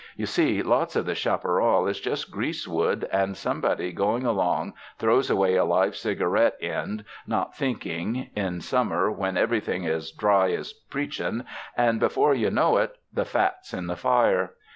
You see, lots of this chaparral is just greasewood, and somebody going along throws away a live ciga reet end, not thinking, in summer when every thing's as dry as preachin', and before you know it, the fat's in the fire."